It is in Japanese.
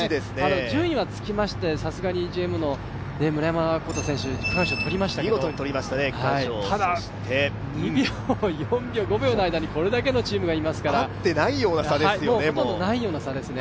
順位はつきまして、ＧＭＯの村山が見事に区間賞取りましたけど、ただ２秒から５秒の間にこれだけのチームがいますから、ほとんどないような差ですね。